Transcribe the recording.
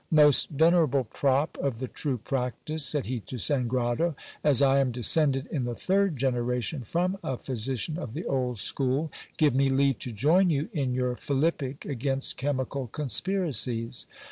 Most venerable prop of the true practice, said he to Sangrado, as I am descended in the third gener ation from a physician of the old school, give me leave to join you in your philippic against chemical conspiracies.